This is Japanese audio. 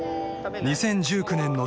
［２０１９年の］